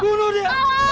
bunuh dia bunuh dia